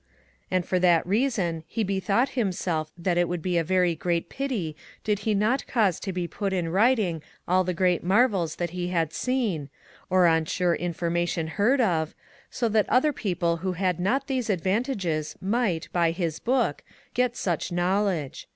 And for that reason he bethought himself that it would be^a very great pity did he not cause to be put in writing all the great marvels that he had seen, or on sure information heard of, so that other people who had not these advantages might, by his Book, get such know ledge.